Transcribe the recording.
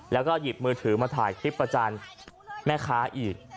แล้วก็หยิบมือถือมาถ่ายคลิปประจานแม่ค้าอีก